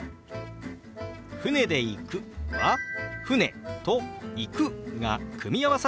「船で行く」は「船」と「行く」が組み合わさった表現でした。